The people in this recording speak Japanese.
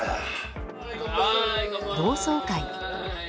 同窓会。